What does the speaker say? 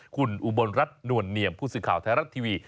คุณอุบลรัฐนวลเนียมผู้สื่อข่าวไทยรัฐทีวี